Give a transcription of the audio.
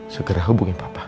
segera hubungi papa